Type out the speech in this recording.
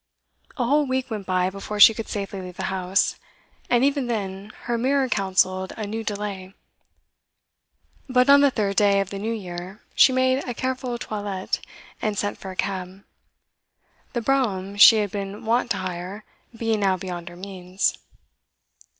A whole week went by before she could safely leave the house, and even then her mirror counselled a new delay. But on the third day of the new year she made a careful toilette, and sent for a cab, the brougham she had been wont to hire being now beyond her means.